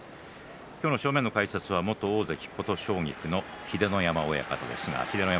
今日の正面の解説は元大関琴奨菊の秀ノ山親方です。